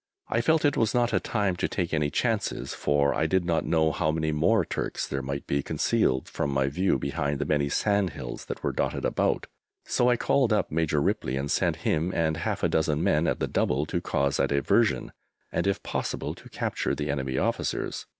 I felt it was not a time to take any chances, for I did not know how many more Turks there might be concealed from my view behind the many sand hills that were dotted about, so I called up Major Ripley and sent him and half a dozen men at the double, to cause a diversion, and, if possible, to capture the enemy officers.